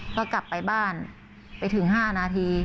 ก็กลับไปบ้านไปถึง๕นาที